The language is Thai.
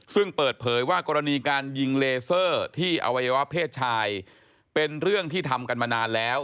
ซึ่งเปิดเผยว่ากรณีการยิงเลเซอร์ที่อวัยวะเพศชายเป็นเรื่องที่ทำกันมานานแล้ว